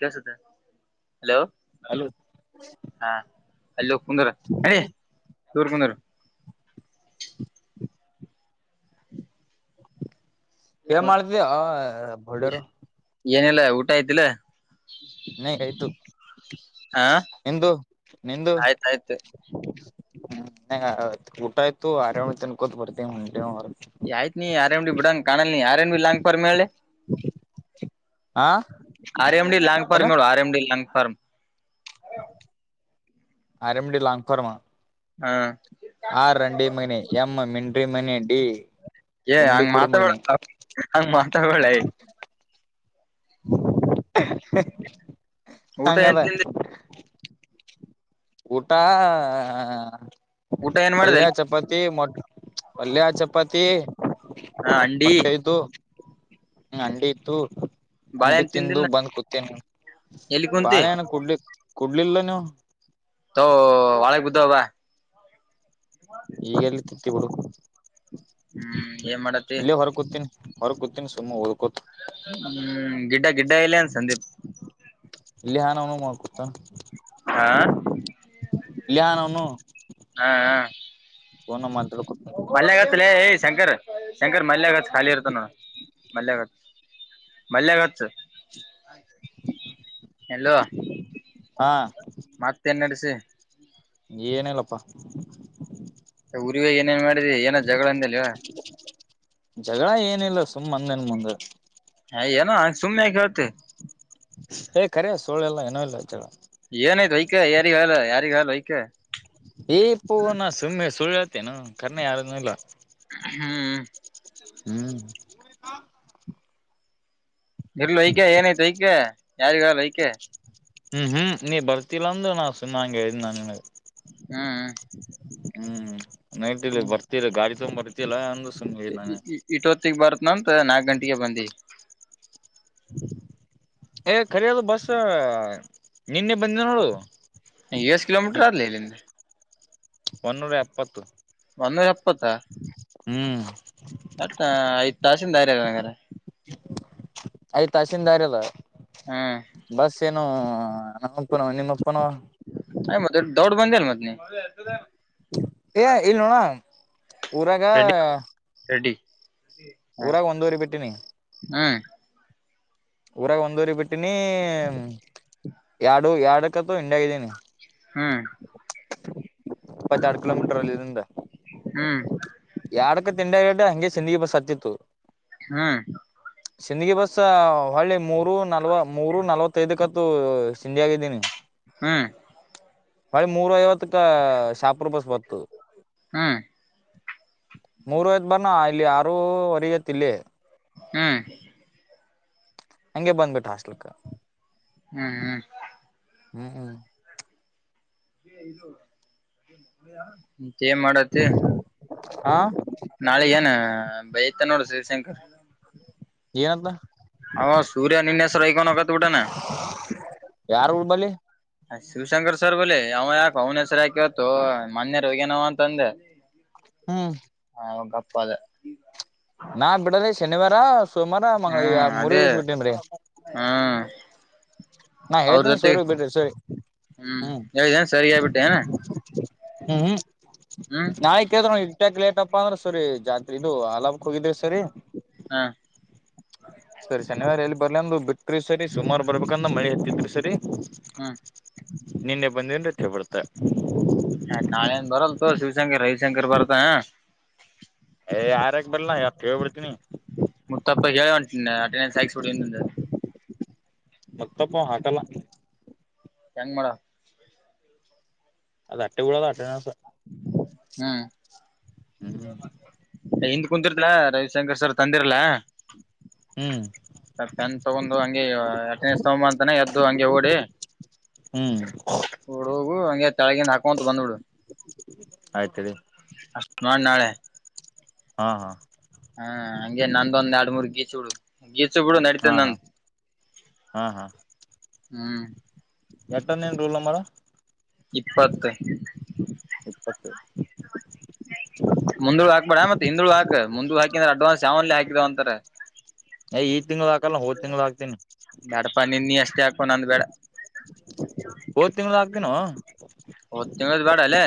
ಕ ಸೋುತ್ತ hello hello ಹ ಹಲೋ ಕು ತೋರ್ಕಂದಾರ ಏ ಮಾಡತವಿ ಬಲ್ಡರು ಏನಿಲ್ಲ ಊಟ ಆಯ್ತಿಲ್ಲ ನಗ ಆಯ್ತು ಹಾ ನಿಂದು ನಿಂದು ಆಯ್ತಾಯ್ತು ಹ್ಮ್ ನ ಊಟ ಆಯ್ತು ಆರಾಮ ಇತ ಅನ್ಕೂತ್ ಬರ್ತೀವಿ ಹ ಯ ಆಯಿತತ್ ನೀ ಆರೆ ಎಂಡಡಿ ಬಡಾಂಗ ಕಾಾನಲ್ ನೀ ಆರೆ ಎಣಬೀ ಲಾಂಂಗ ಪ ಮಳೆ ಹಾ ಆರ್ ಎಮ ಡಿ ಲಾಂಗಫಾರ ಏನ ಮ R M D long form RMD ಲಾಂಗಕುರಮ ಹಾ ಆರ್ ರಂಡಿಮಣಿ ಎಂ್ ಮಿನ್ರಿಮಣಿ ಏ ಹಂಗ ಮಾತಾ ಹಂಗ ಮಾತಾಬಳ ಊಟ ಹಂಗ ಏನ್ ಬ ತಿಂದಿ ಊಟ ಊಟ ಏನ್ ಮಾಡ್ದ ಪಲ್ಯ ಚಪಾತಿ ಮೊಟ್ಟ ಅಲ್ಲಿಯ ಚಪಾತಿ ಹ ಅಂಡಿ ಮೊಟ್ಟೈದು ಅಂಡ ಇತ್ತು ಅಟಿ ಬಾಳೆಹಣ್ ತಿಂದು ತಿಂದಿಲ್ಲ ಬಂದ್ ಕುೂತೀನಿ ಎಲ್ಲಿ ಕುಂತಿ ಬಾಳೆಣ ಕುಡ್ಲಿ ಕುಡ್ಲಿಲ್ಲ ನೀವು ತ ವಾಳೆಗೆ ಬುದ್ಧಬ ಈಗೆಲ್ಲಿ ತಿತ್ತಿ ಬಿಡು ಹ್ಮ್ ಏನ್ ಮಾಡತಿ ಇಲ್ಲ ಹೊರೂತೀನಿ ಹೊರ ಕೂತಿನಿ ಸುಮ್ ಹೋಗ ಹ್ಮ್ ಗಿಡ್ಡಾ ಗಿಡ್ಡಾ ಇಲ್ಲ ಸಂದೀಪ ನ ಮಾಡ್ಕತ ಲಹನ್ ಅವನು [inaudible] ೋ ಮಾಡ ಮಲ್ಯಗತ್ಲ ಯ ಶಂಕರ್ ಶಂಕರ್ ಮಲ್ಯಗತ್ ಖಾಲಿ ಇರ್ತ ನೋ ಮಲ್ಯಗತ್ ಮಲ್ಯಗತ್ತು ಎಲ್ಲೋ ಹಾ ಮತ್ತೇನ್ಡೆಸಿ ಏನಲ್ಲಪ್ಪಾ ಊರಿರಿಗೆ ಏನೇನ್ ಮಾಡಿದ್ರಿ ಏನ ಜಗಳ ಅಂದಿಲ್ಲವ ಜಗಳ ಏನಿಲ್ಲ ಸುಮ್ಮ್ ಮಂದನ್ ಮುಂದ ಹ ಯನು ಆ ಸುಮನೆ ಕಳ್ತೆ ಏ ಕರ ಸೋಳೆಲ್ಲ ಏನೋ ಇಲ್ಲ ಚಳ ಲೈಕ ಏ್ಪ್ಪೋ ನಾ ಸುಮ್ಮ್ ಸುಳ್ಳಳ್ತೇನು ಕರ್ಣ ಯಾರ ಇಲ್ಲ ಹ್ಮ್ ಹ್ಮ್ ಇರ್ಲಐಕೆ ಏನೈತ ಐಕೆ ಯಾರಿಗಾರಐಕೆ ಹ್ಮ್ ಹ್ಮ್ ನೀ ಬರ್ತಿಲ್ಲಾಂದ್ರ ನಾ್ ಸುನ್ನಾಂಗಗೆ ಹೇಳ್ದ್ ನ ನಿನಗೆ ಹ್ಮ್ ಹ್ಮ್ ನೈಟ್ ಇಲ್ಲಿ ಬರ್ತೀರ ಗಾಡಿ ತಂಬ್ ಬರ್ತಲ್ಲ ಅಂದ ಈ ಇಟ್ಟ ಹೊತ್ತಗ್ ಬಾರತ್ನಂತ ನಾಕ್ ಗಂಟೆಗೆ ಬಂದಿ ಏ ಖರಿಯದು ಬಸ್ ನಿನ್ನೆ ಬಂದ್ನ ನೋಡು ಎಸ್ ಕಿಲೋಮೀಟರ್ ಅಲ್ಲೇಳಿನಿ ಒನ್ನೂರ ಎಪ್ಪತ್ತು ಹ್ಮ್ ಆತ್ತ ತಾಸಿಂದಿಂದಯರಗಾರೆ ಯ್ ತಸೀಂದದಾರ ಇವ ಹ್ಮ್ ನು ನಾಪ್ಪನೋ ನೀಪ್ಪನೋ ಯ್ ಮದೆ ಡೌಡ್ ಬಂದಿಲ್ ಮತ್ನಿ ಏ ಇಲ್ ನೋಣ ಊರಾಗ ರೆಡ್ಡಿ ರೆಡಿ ಊರಾಗ ಒಂದೂರಿಗೆ ಬಿಟ್ಟಿನಿ ಹ್ಮ್ ಊರಾಗ ಒಂದೂರಿ ಬಿಟ್ಟಿನಿ ಎರಡು ಎರಡಕತ ಹಿಂಡಾಗಿದೀನಿ ಹ್ಮ್ ಇಪ್ಪತ್ತ ಆಡ್ ಕಿಲೋಮೀಟರ್ ಅಲ್ಲಿ ಇದರಿಂದ ಹ್ಮ್ ಯಡಕ್ಕ ತಿಂಡಿಡ ಹಂಗೆ ಸಂದಿಗಿ ಬಸ್ತಿತ್ತು ಹ್ಮ್ ಚಿಂದಗಿ ಬಸ್ ಹೊಳ್ಳೆ ಮೂರು ನಲ್ವ ಮೂರು ನಾಲ್ವತ್ತೈದಕತ್ತುೂ ಸಿಿಂದಿ ಆಗಿದ್ದೀನಿ ಹ್ಮ್ ಮಳೆ ಮೂರು ಐವತ್ತಕ್ಕ ಶಾಪರ್ ಬಸ್ ಬತ್ತು ಹ್ಮ್ ಮೂರು ಆಯ್ತು ಬಂದ್ನಾ ಆರೂವರೆಯತ್ತಿಲ್ಲಿ ಹ್ಮ್ ಹಂಗೆ ಬಂದ್ಬಿಟ್ಟು ಹಾಸ್ಲ್ಕ್ ಹ್ಮ್ ಹ್ಮ್ ಹ್ಮ್ ಹ್ಮ್ ಏ ಇದು ಆಯಾ ತೇಮ್ ಮಾಡಂತಿ ಹ ನಾಳೆ ಏನಾ ಬೈ ಮತ್ತೆ ನೋಡು ಶಿವ್ಶಂಕರ್ ಏನ್ಲಾ ಅವ ಸೂರ್ಯ ನಿನ್ನ ಹೆಸರ್ ವೈಕನ್ ಹೋಗ್ವುಟನೆ ಯಾರ್ ಊರ್ ಬಲ್ಲಿ ಶಿವಶಂಕರ್ ಸರ್ ಹೋಲೆ ಅವ ಯಾಕ ಅವ್ನ ಹೆಸವರ್ ಯಾಕೆತ್ತು ಮನ್ಯರ್ ಹೋಗೇನವ ಅಂತ ಅಂದೆ ಹ್ಮ್ ಅವಂಗಪ್ಪಾದ ನಾ ಬಿಡಲಿ ಶನಿವಾರ ಸೋಮಾರ ಮಂಗಗಳ ಹ್ಮ್ ಮೂರೇ ಅದೇ ಹುಟ್ಟಿಬ್ರೀ ಹ್ಮ್ ನಾ ಅವ್ರ ಹೇಳ್ತೇನ ಜೊತೆ ಸೋರಿ ಬಿಡ್ರಿ ಸೋರಿ ಹ್ಮ್ ಏಲಿಯನ್ ಸರಿಗೆ ಬಿಟ್ಟೆಯಾ ಹ್ಮ್ ಹ್ಮ್ ನಾಯಕ್್ ಇಟ್ಟಕ್ ಲೇಟ್ಪ್ಪ ಅಂದ್ರ ಸರಿ ಜಾತ್ರೆ ಇದು ಆಲಾಬ್ಕ್ ಹೋಗಿದ್ರಿ ಸರ್ ಹ ಸರಿ ಶನಿವಾರ ಎಲ್ಲಿ ಬರ್ಲಂದು ಬಿಟ್ಟ್ರಿ ಸರಿ ಸುಮಾರು ಬರ್ಬೇಕ ನಮ್ ಹತ್ತಿದ್ರೆ ಸರಿ ಹಾ ನಿನ್ನೆ ಬಂದನ್ ರತ್ತೆ ಬಡ್ತ ಆಯ್ತತ್ ನಾಳೆ ಏನ್ ಬರಲ್ ಶಿವಶಂಕರ್ ರವಿಶಂಕರ್ ಬರತ ಏ ಆರ್ ಎಕ್ಸ್ ಬರ್ಲ್ಲಾ ಯ ತೆವ್ ಬಿಡ್ತೀನಿ ಮುತ್ತಪ್ಪ ಹೇಳಟ್ ಣ ಆ ಟ್ರೈನಿಂಗ್ ಆಕ್ಸ್ಡು ಮತ್ತಪ್ಪ ಹಾಕಲ್ಲ ಹೆಂಗ ಮಾಡ ಅದು ಅಟ್ಟೆಗೂಡೋದ ಅೆನ ಹ್ಮ್ ಹ್ಮ್ ಹಿಂದ ಕುಂತರತಲ್ಲ ರ ಶಂಕರ್ ಸರ್ ತಂದಿರಲ ಹ್ಮ್ ಮತ್ತೆನ್ ತಗೊಂಡು ಹಂಗಗೆ ಎಟನ ತಗಂಬ ಅಂತಾನ ಎದ್ದು ಹಂಗೆ ಓಡಿ ಹ್ಮ್ ಡು ಹೋಗು ಹಗೆ ತಳಗಿಂದ ಹಾಕೊಂತ ಬಂದ್ಬಡು ಆಯ್ತರಿ ಅಮಾನ ನಾಳೆ ಹಾ ಹಾ ಹಾ ಹಂಗೆ ನಂದೊಂದ್ ಎರಡ್ ಮೂರ್ ಗೀಸುಡು ಗೀ ಕೂಡ ನಡತ ಹಾ ನ ಹಾ ಹಾ ಹ್ಮ್ ಎಟ್ಟ ನೀೇನ್ ರೂಲ್ ನಂಬರ್ ಇಪ್ಪತ್ತು ಇಪ್ಪತ್ತು ಮುಂದರು ಆಾಗಬಡ ಮತ್ತ ಹಿಂದ್ಳು ಹಾಕ್ ಮುಂದ ಹಾಕಿದ್ರೆ ಅಡ್ವಾನ್ಸ್ ಯಾವನ್ಲೇ ಹಾಕಿದವ ಅಂತಾರೆ ಏ ಈ ತಿಂಗ್ಳ ಹಾಕಲ್ಲ ಹೋದ್ ತಿಂಗ್ಳ ಹಾಕ್ತೀನಿ ದಡಪ ನಿಿ ನೀ ಅಷ್ಟೇ ಹಾಕೊಂಡೊಂಡ ಅಂದ ಬಡ ಹೋದ ತಿಂಗಳ ಆಗ್ತಿನೋ ಹೊತ್ತು ತಿಂಗಳದ ಬೇಡ ಅಲ್ಲೇ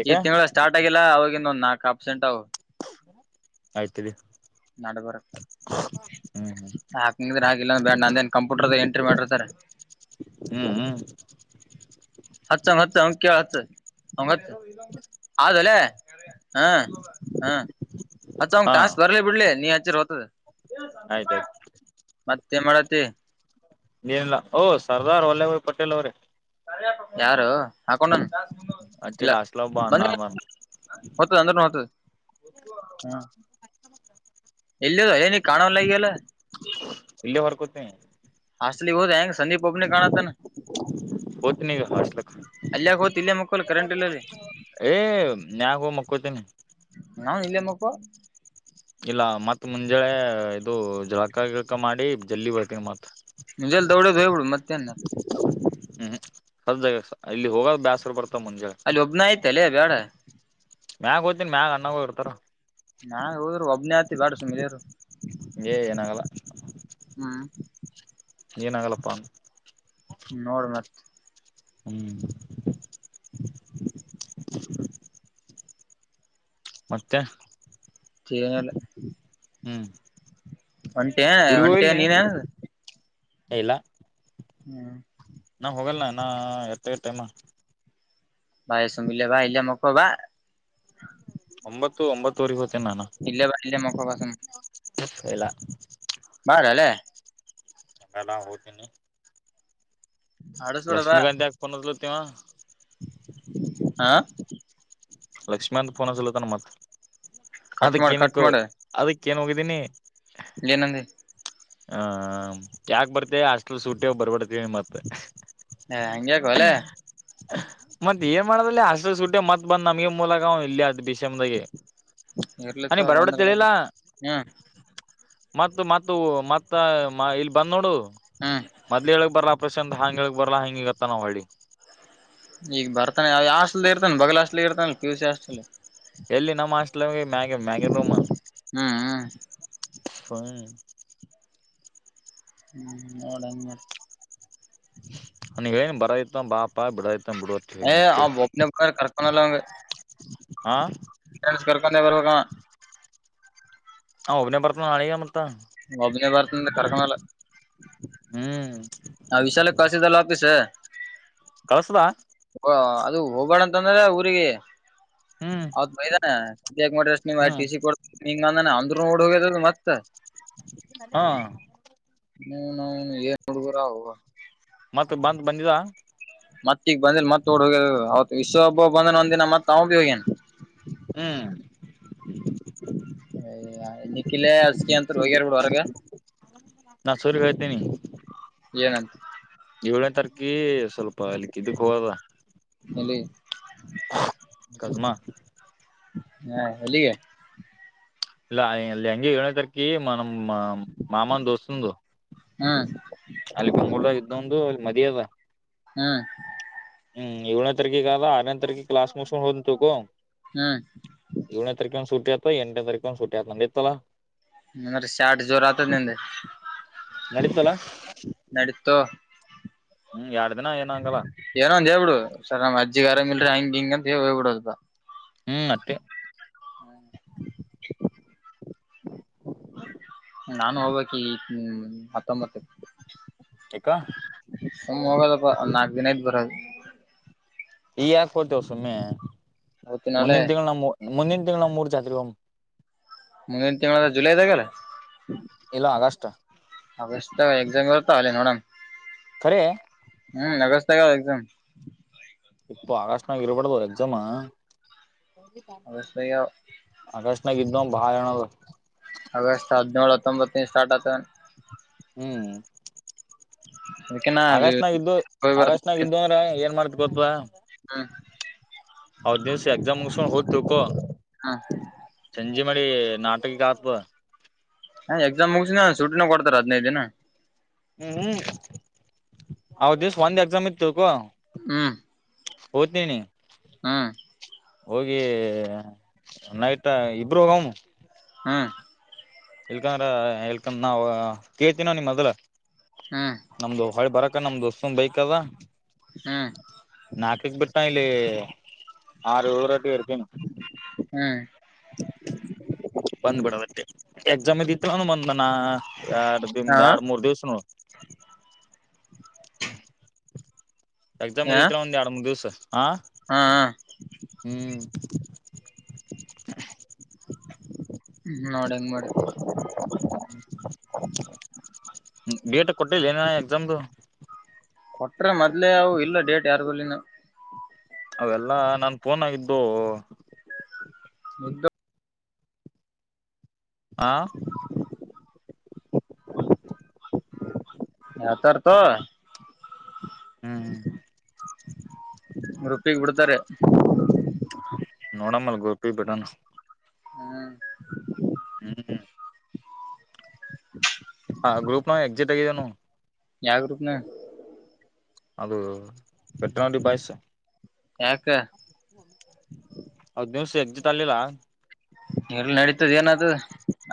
ಈಗ ಈ ತಿಂಗಳ ಸ್ಟಾರ್ಟ್ ಆಗಿಲ್ಲ ಅವವಾಗಿನ್ನೊಂದ್ ನಾಕ ಪರ್ಸೆಂಟ್ ಅವವು ಅಯ್ತ್ರಿ ನಡುಗರಕ ಹ್ಮ್ ಹ್ಮ್ ಹಾಕ್ಂಗ್ರೆ ಆಿಲ್ಲ ಬ ನಂದೇನ್ ಕಂಪ್ಯೂಟರ್ ಎಂಟ್ರಿ ಮಾಡಿರ್ತಾರೆ ಹ್ಮ ಹ ಹತ್ಂಗ ಹತ್ಂಗ ಕೇಳ ಹತ್ ಹಂಗ ಹತ್ ಆದದಲ್ಲೇ ಹಾ ಹಾ ಅತ್ತ ಅವಂಗ ಹಾ ಟಾಸ್ಕ್ ಬರ್ಲಿ ಬಿಡ್ಲಿ ನೀ ಹಚ್ಚರ್ ಹ್ತದ ಆಯ್ತಾಯ್ತು ತ ಮಾಡತ್ತ ನೀನಲ್ಲ ಓ ಸರ್ದಾರ್ ವಲ್ಲಭಭಾಯ್ ಪಟೇಲ್ ಅವ್ರೆ ಯಾರು ಹಾಕೊಂಡನ್ ಇಲ್ಲ ಅಚ್ಚಿಡ ಹಾಸ್ಟ್ಲ ಒಬ್ಬ ಅಣ್ಣ ಬನ್ನಿ ಅದಾನ ಹೊದ್ತದ ಅಂದ್ರ ಹೊ್ತದ ಹಾ ಇಲ್ಲ ಅಲ್ಲ ನೀ ಕಾಣವ ಲ ಅಲ್ಲ [inaudible] ಹಾಾಸಲಿ ಬಂಗ ಸಂದೀಪ ಒಬ್ಬನ ಕಾಣಾ ತ ಹೋಗ್ತೀನಿ ಈಗ ಹಾಸ್ಟ್ಲಕ್ ಅಲ್ಲಯಕ್ ಹತ್ ಇಲ್ಲಯ ಮಕ್ಕಳ ಕರೆಂಟ್ ಇಲ್ಲದೆ ಏ ನ್ಯಾಗ ಹ ಮಕ್ಕೊತೀನಿ ನಾ ಇಲ್ಲೇ ಮಕ್ಕ ಇಲ್ಲ ಮತ್ತ್ ಮುಂಜಳೆ ಇದು ಜಳಕ ಗಳಕ ಮಾಡಿ ಜಲ್ಲಿ ಬರ್ತೀನಿ ಮತ್ ಜೆಲ್ಲ ದೌಡದು ಹವ ಮತ್ತೆನ್ನ ಹ್ಮ್ ಸದಾಗ ಇಲ್ಲಿ ಹೋಗ ಬ್ಯಾಸರು ಬರ್ತ ಮುಂಜೆ ಅಲ್ಲಿ ಒಬ್ನೇ ಆಯ್ತ ಅಲ್ಲೇ ಬ್ಯಾಡ ಮ್ಯಾಗ ಹೋಗ್ತೀನಿ ಮ್ಯಾಗ ಅನ್ನಾಗ ಹೋಗಿರ್ತಾರ ನಾ ಹೋದ್ರು ಒಬ್ನತಿ ಬಾಡ ಸುಮಿಲರು ಹೇ ಏನಾಗಲ್ಲ ಹ್ಮ ಏನಾಗಲ್ಲಪ್ಪ ನೋಡೋಣ ಅಚ್ಚು ಹ್ಮ್ [unintelligible] ಮತ್ತೆ ಏನಿಲ್ಲ ಹ್ಮ್ ಹೊಂಟೀಯೆ ಊರಿಗ್ ಹೊಂಟಿಯ ಹೋಗಿಲ್ ನೀ ನೀನೇ ಇಲ್ಲ ಹ್ಮ್ ನಾ ಹೋಗಲ್ಲನಾ ಇನಾ ಎಷ್ಟ ಆಗದ ಟೈಮ ಬಾಯಸುಮ್ಮ ಇಲ್ಲೆ ಬಾ ಇಲ್ಲೆ ಮಕ್ಕೊ ಬಾ ಒಂಬತ್ತು ಒಂಬತ್ತೂ ಒರಿ ಹೋಗತೂ ಇಲ್ಲೇ ಬಾ ಇಲ್ಲೇ ಮಕ್ಕೊ ಬಾ ಸುಮ್ ಹೇ ಇಲ್ಲಾ ಬಾರೋಲೆ ಇಲ್ಲಾ ಹೋಗತೀನಿ ಆಡಸ್ಬೇಡ ಬಾ ಲಕ್ಷ್ಮೀಕಾಂತ ಯಾಕ್ ಫೋನ್ ಹಚಲತನ್ನಿವಾ ಹಾ ಲಕ್ಷ್ಮಿಕಾಂತ್ ಫೋನ್ ಅಚ್ಚಲತನ್ ಮತ್ ಕಟ್ ಮಾಡ ಅದಕ್ಕ ಕಟ್ ಏನಕ್ಕ ಮಾಡ ಅದಕ್ ಕ್ಕೆನ ಹೋಗಿದ್ದೀನಿ ಏನಂದಿ ಹ ಯಾಕ ಬರ್ತೆ ಹಾಸ್ಟೇಲ್ ಸುಟಿ ಅವ ಬರ್ಬೇಡ ಅಂತ ಹೇಳಿನ ಮತ್ತ ಹೇ ಅಂಗ ಯಾಕೋಲೆ ಮತ್ತ ಏನ್ ಮಾಡದಲ್ಲೆ ಹಾಸ್ಟೆಲ್ ಸುಟ್ಟಿ ಅವ ಮತ್ ಬಂದ್ ನಮಗೆ ಮೂಲ ಆಗವ ಇಲ್ಲೆ ಅದ್ ಬ ಇರ್ಲಿತ್ತ ಅವ್ನಿಗ ಬರಬೇಡ ಬಂದ್ರ ಅಂತ ಬಲ್ಲ ಹೇಳಿಲ್ಲ ಹ್ಮ್ ಮತ್ತ ಮತ್ತ ಇಲ್ಲಿ ಬಂದ್ ನೋಡು ಹ್ಮ್ ಮೊದ್ಲೇ ಹೇಳಕ ಬರಲ ಪ್ರಸಂದ್ ಅಂಗ ಹೇಳಾಕ ಬರಲ್ಲ ಹಂಗ ಇಂಗ ಅಂತನವ ಹೊಳ್ಳಿ ಈಗ ಬರ್ತಾನ ಯಾವ ಹಾಸ್ಟಲದಗ ಇರ್ತಾನೆ ಬಗಲ ಹಾಸ್ಟೆಲ್ ಇರ್ತಾನ ಪಿ ಯು ಸಿ ಹಾಸ್ಟಲ್ ಎಲ್ಲಿ ನಮ್ಮ್ ಹಾಸ್ಟೆಲ್ ಮ್ಯಾಗಿ ಮ್ಯಾಗಿನ ರೂಮ ಹ್ಮ್ ಹ್ಮ್ ಹ್ಮ ನೋಡ ಹೆಂಗ ಮಾಡತಿ ಅವನಿಗ ಹೇಳೀನಿ ಬರೋದ ಇತ್ತ ಅಂದ್ರ ಬಾ ಅಂತ ಪ್ಪಾ ಬಿಡದಿತ ಬಿಡು ಏ ಅಟ್ಟೆ ಒಬ್ನೇ ಬ ಕರ್ಕೊಂಡಲ್ಲ ಅವಂಗ ಫ್ರೆಂಡ್ಸ್ ಕರ್ಕೊಂಡೆ ಬರ್ಬೇಕ ಅವಾ ಅವನ ಒಬ್ಬನೇ ಬರತನ ನಾಳಿಗ್ಯ ಮತ್ತ ಒಬ್ಬನೇ ಬರ್ತೀನಿ ಅಂದ ಕರಕಣಲ್ಲ ಹ್ಮ್ ಹ ವಿಶಾಲಗ ಕಳಿಸಿದಲ್ಲ ವಾಫೀಸ್ ಕಳಸದಾ ಅದು ಹೋಗಬಾಡ ಅಂತ ಅಂದ್ರ ಊರಿಗೆ ಹ್ಮ್ ಅವತ್ತು ಬೈದಾನ ಅಂಗ್ ಯಾಕ್ ಮಾಡ್ತೀರಿ ಹ್ಮ್ ಟಿ ಸಿ ಕೊಡತ್ತಿನ ಹಂಗೆ ಇಂಗ ಅಂದಾನ ಅಂದ್ ನೋಡ ಹೋಗ್ಯಾದ ಇಲ್ಲಾ ಮತ್ತ ಹಾ ಹೌನೋ ಹೌನೋ ಏನ್ ಹುಡುಗುರು ಆವೊ ಮತ್ತ ಬಂದ ಬಂದಿದ ಮತ್ತ ಈಗ ಬಂದಿಲ್ ಈಗ ಹೊಡಿ ಹೋಗ್ಯಾರಾ ಅವತ್ ವಿಶ್ವ ಒಬ್ಬ ಬಂದನ್ ಒಂದ ದಿನ ಮತ್ ಅವ ಬಿ ಹೋಗೇನ್ ಹ್ಮ್ [unintelligible] ಕಿಲ ಅಸಿಕ ಅಂತ ಹೋಗ್ಯಾರ ಹೊರಗ ನಾ ಸೂರ್ಯಗ್ ಹೇಳ್ತೀನಿ ಏನಂತ ಏಳನೇ ತಾರಕಿ ಸ್ವಲ್ಪ ಅಲ್ಲಿಕ್ಕ ಇದಕ್ ಹೋಗದ ಅಲ್ಲೆ ಕರ್ಮ ಹಾ ಎಲ್ಲಿಗಿ ಇಲ್ಲ ಅಲ್ಲಿ ಹೆಂಗೆ ಏಳನೇ ತಾರಕಿಗಿ ನಮ್ಮ ಮಾಮಾನ್ ದೋಸ್ತಂದು ಹ್ಮ್ ಅಲ್ಲಿ ಬೆಂಗ್ಳೂರ್ ಇದ್ದಾವ ದು ಮದುವಿಯದ ಹ್ಮ್ ಹ್ಮ್ ಏಳನೇ ತಾರೀಕಿಗ ಅದ ಆರನೇ ತಾರೀಕಿಗ ಕ್ಲಾಸ್ ಮುಗಿಸಿಕೊಂಡ ಹೋಗತ್ತಿನಿ ತುಕೋ ಹ್ಮ್ ಏಳನೇ ತಾರೀಕ ಹಂಗ ಸೂಟಿ ಆತದ ಎಂಟನೆ ತಾರಿಕ ಒಂದು ಸೂಟ್ಟಿ ಆತದ ನಂದಿತ್ತಲ್ಲ [unintelligible] ಶಾಠ ಜೋರ ಆತ ನಿಂದ ನಡೀತಲ್ಲ ನಡಿ. ತ್ತ ಹ್ಮ್ ಎಡ್ ದಿನ ಏನಂಗಲ್ಲ. ಏನೊಂದ್ ಹೇಳಬಿಡು ಸರ್ ನಮ್ಮ ಅಜ್ಜಿಗಾರರಂಗ ಇಲ್ರಿ ಹಂಗ ಹಿಂಗ ಅಂತ ಹೇಳ್ಬಡದ. ಹ್ಮ್ ಮತ್ತೆ. ನಾನು ಹೋಗ್ಕ್ ಈ ಹತ್ತೊಂಬತ್ತಕ ಯಾಕ ಹ ಹೋಗದ ಪಾ ನಾಕ ದಿನಯತ್ ಬರದು. ಈ ಯಾಕ ಹೋತಿಯೋ ಸುಮ್ಮನೆ ಅವತ್ತಿನಲ್ಲೇ ಮುಂದಿನ ತಿಂಗಳು ನಮ್ಮ ಮುಂದಿನ ತಿಂಗಳು ನಮೂರ್ ಜಾತ್ರಿಗ ಹೊಮ ಮುಂದಿನ ತಿಂಗಳ ಜುಲೈದಾಗಲ್ಲ? ಇಲ್ಲ ಆಗಷ್ಟ. ಆಗಸ್ಟ್ದಾಗ ಎಕ್ಸಾಮ್ ಇರುತ್ತ ಅಲ್ಲೇ ನೋಡಮ್ ಕರೇ ಹ್ಮ್ ಅಗಸ್ಟದಗ, ಇಪ್ಪ ಆಗಸ್ಟ್ನಾಗ ಇರಬಡದು ಅವ ಎಕ್ಸಾಮ ಆಗಸ್ಟ್ದಾಗ ಅಗಷ್ಟ ನಾಗಿದ್ದ ಬಾಳ ಜನ [unintelligible] ಆಗಸ್ಟ್ ಹದಿನೇಳು ಹತ್ತೊಂಬತ್ತನ ಸ್ಟಾರ್ಟ್ ಆತ ಹ್ಮ್ ಅದಕ್ಕಿನ ಆಗಸ್ಟ್ ನಾಗ ಇದಿದ್ದು ಹೋಗಿ ಬರ್ತ ಆಗಸ್ಟ್ ನಾಗ ಇದ್ದು ಅಂದ್ರೆ ಏನ್ ಮಾಡ್ತ ಗೊತ್ತವಾ ಹ್ಮ್ ಹ ದಿವಸ ಎಕ್ಸಾಮ್ ಹೋಗದ್ತಕೋ ಸಂಜೆ ಮಾಡಿ ನಾಟಕಕ್ಕೆ ಆತ್ ಹ ಎಕ್ಸಾಮ್ ಮುಗಸಿನ ಸುಟಿನ ಕೊಡ್ತಾರ ಹದಿನೈದು ದಿನ. ಹ್ಮ್್ಮ ಅವ ದಿವಸ ಒಂದ ಎಕ್ಸಾಮ್ ಇತ್ತುವ ಕೋ ಹ್ಮಞ [inaudible] ಹೋಗಿ ನೈಟ ಇಬ್ರು ಹೋಗಮ್ಮ. ಹ್ಮ ಎಳ್ಕಂದ್ರ ಎಳ್ಕಂದ ನಾವ ಕೇಳ್ತನೋ ನಿಮ್ ಮದ್ಲ ಹ್ಮ್ ನಮ್ದು ಹೊಳಿ ಬರಕ್ ಅದಕ್ಕ ನಮ್ ದೋಸ್ತನ ಬೈಕ್ ಅದ. ಹಾ ನಾಕಕ್ ಬಿಟ್ಟ ಇಲ್ಲಿ, ಆರು ಏಳು ರಟಿ ಇರ್ತೀನ ಹ್ಮ್ ಬಂದ್ ಬಿಡ. ಮತ್ತೆ ಎಕ್ಸಾಮ್ ಇದತ್ತುಾನ ಮ ನಾನ ಎರಡು ದಮ್ ಹಾ ಎರಡ್ ಮೂರ್ ದಿವ್ಸ ನೋಡ ಎಕ್ಸಾಮ್ ಹ ಒಂದುರಡು ಮೂರು ದಿವಸ ಹಾ ಹ್ ಹ್ಮ್ ನೋಡ ಹೆಂಗ ಮಾಡತಿ ಬಿ ಡೆಟ ಕೊಟ್ಟಿಲ್ಲ ಏನ ಎಕ್ಸಾಮ್ದು? ಕೊಟ್ರ ಮೊದ್ಲೆೇ ಅವು ಇಲ್ಲ ಡೇಟ್ ಯಾರಬಲ್ಲಿಿನ ಅವೆಲ್ಲಾ ನಾನ್ ಫೋನ್ ಆಗಿದ್ದು. [unintelligible] ಆ ಹಾತ ತ ಹ್ಮ್ ಗ್ರೂಪ ಬಿಡ್ತಾರೆ. ನೋಡಮ್ಮಲ್ ಗ್ರೂಪಿಕ ಬಿಡಾನ ಹ್ಮ್ ಹ್ಮ್ ಹಾ ಗ್ರೂಪ್ ನ ಎಕ್ಜೆಟ್ ಆಗಿದೆವ ನಾವು ಯಾವ ಗ್ರೂಪ್ ನ್ಯಾಗ? ಅದು [inaudible] ಬಾಯಸ ಯಕ ಹದ್ ದಿವ್ಸ ಎಗ್ಜಿಟ್ ಅಲಿಲ್ಲ ಎಲ್ಲ ನಡೀತದ ಏನದು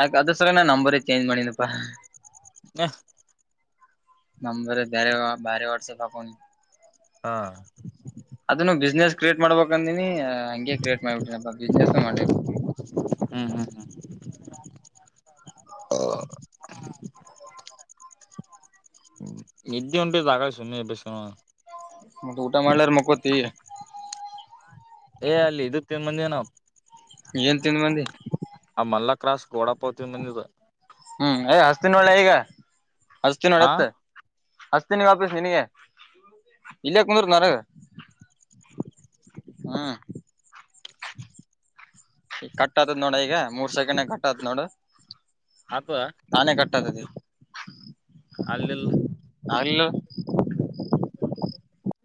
ಆಯಕ ಅದ ಸರಿ ನಾ ನಂಬರ್ ಚೇಂಜ್ ಮಾಡನಪ್ಪಾ ಎಸ್ ನಂಬ ಬರೆ ಬಾರಿ ವರ್ಷೆ ಪಕು ಹಾ ಮಾಡ್ಬಬೇಕಂದೀನಿ ಹಂಗಗೆ ಕ್ರಿಯೇಟ್ ಮಾಡ್ಬಿಟ್ಟನ ಬಿಸ್ನೆಸ್ ಮಾಡ್ಿ ಹ ಎ್ದ ಒ ತಕಾ ಸುಮ್ಮನೆ ಬ ಮತ್ತೆ ಊಟ ಮಾಡ್ಲಾರ ಮಕ್ಕೋತಿ ಏ ಅಲ್ಲಿ ಇದನ್ ಮಂದನಾ ಏನ್ ತಿನ್ ಮಂದಿ ಆ ಮಲ್ಲ ಕ್ರಾಸ್ ಕೂಡ ಪತೀ ನಿಂದದು ಹ್ಮ್ ಯ ಹಸ್ತಿನೋಳೆ ಈಗ ಹಸ್ತಿನೋಳ ಆ ಎತ್ ಅಷ್ಟತಿನಗ ಆಪೀಸ್ ನಿನಗೆ ಇಲ್ಲಯ ಕುಂದರು ನನಗೆ ಹಾ ಈ ಕಟ್ ಆತತ್ ನೋಡ ಈಗ ಮೂರ್ ಸೆಕೆಂಡ್ ಕಟ್ ಆತ್ ನೋಡ ಆತದ ನಾನೇ ಕಟ್ಟತದೆ ಅಲ್ಲಿಲ್ಲ ನಲ್ಲ